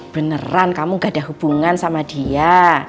beneran kamu gak ada hubungan sama dia